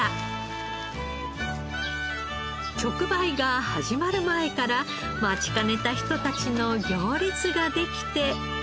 直売が始まる前から待ちかねた人たちの行列ができて。